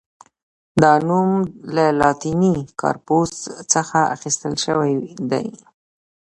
دا نوم له لاتیني «کارپوس» څخه اخیستل شوی دی.